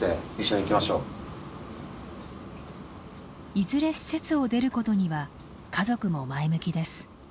いずれ施設を出ることには家族も前向きです。